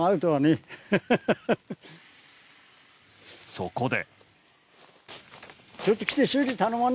そこで。